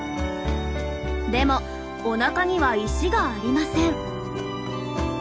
でもおなかには石がありません。